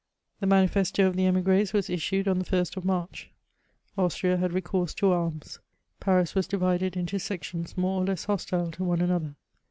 The manifesto of the emigris was issued on the 1 st of March. Austria had recourse to arms. Paris was divided into sections more or less hostile to one another.